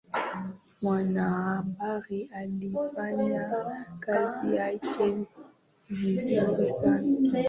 Mwanahabari alifanya kazi yake vizuri sana